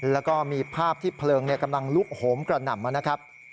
แล้วก็มีภาพที่เพลิงกำลังลุกโหมกระหน่ำนะครับ